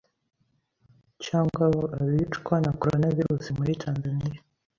cyangwa abicwa na coronavirus muri Tanzania